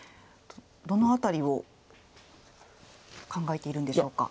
どの辺りを考えているんでしょうか。